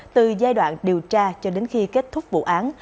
từ giai đoạn điều tra cho đến khi kết thúc vụ án